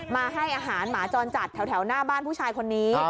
มาให้อาหารหมาจรจัดแถวหน้าบ้านผู้ชายคนนี้